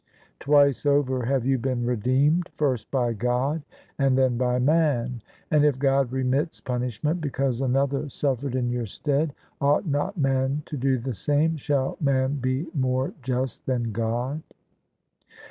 Twice over have you been redeemed — first by God and then by man: and if God remits punishment because Another suffered in your stead, ought not man to do the same? Shall man be more just than God?